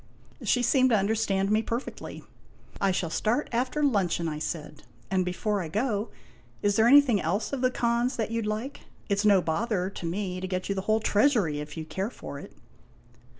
She seemed to understand me perfectly. " I shall start after luncheon," I said. "And, before I go, is there Il8 IMAGINOTIONS anything else of the Khan's that you 'd like? It 's no bother to me to get you the whole treasury if you 'd care for it."